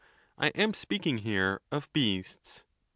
I am speaking here of beasts.